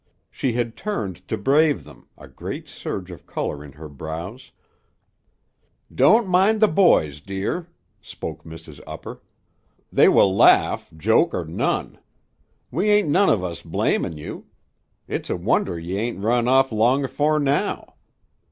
She had turned to brave them, a great surge of color in her brows. "Don't mind the boys, dear," spoke Mrs. Upper. "They will laff, joke or none. We ain't none of us blamin' you. It's a wonder you ain't run off long afore now.